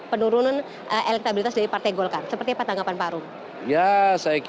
penurunan elektabilitas dari partai golkar